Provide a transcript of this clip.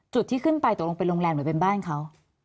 จุดที่ขึ้นไปตกลงเป็นโรงแรมหรือเป็นบ้านเขา